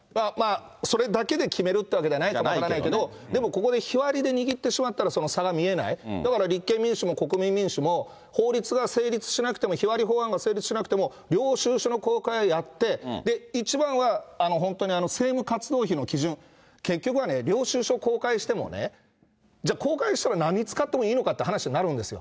それだけで決めるってわけではないかもしれないけど、でもここで日割りで握ってしまったら、その差が見えない、だから立憲民主も、国民民主も、法律が成立しなくても、日割り法案が成立しなくても領収書の公開はやって、一番は本当に政務活動費の基準、結局はね、領収書公開してもね、じゃあ、公開したらなんに使ってもいいのかって話になるんですよ。